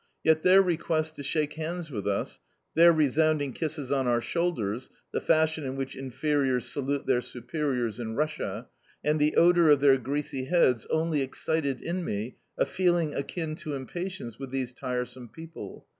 Yet their requests to shake hands with us, their resounding kisses on our shoulders, [The fashion in which inferiors salute their superiors in Russia.] and the odour of their greasy heads only excited in me a feeling akin to impatience with these tiresome people.